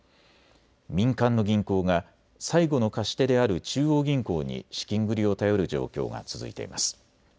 民間の銀行が最後の貸し手である中央銀行に資金繰りを頼る状況が続いています。